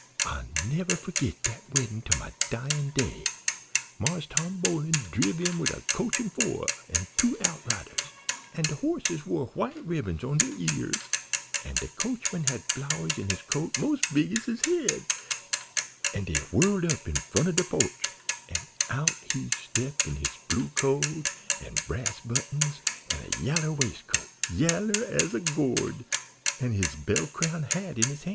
I'll never forgit dat weddin' to my dyin' day. Marse Tom Boling driv in wid a coach an' four an' two outriders, an' de horses wore white ribbons on dere ears; an' de coachman had flowers in his coat mos' big as his head, an' dey whirled up in front of de po'ch, an' out he stepped in his blue coat an' brass buttons an' a yaller wais'coat, yaller as a gourd, an' his bell crown hat in his han'.